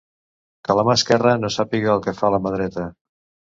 Que la mà esquerra no sàpiga el que fa la mà dreta.